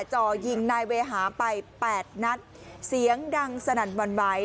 จ่อยิงนายเวหาไปแปดนัดเสียงดังสนั่นวันไหว